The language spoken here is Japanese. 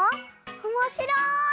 おもしろい！